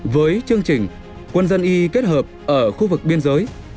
với chương trình quân dân y kết hợp ở khu vực biên giới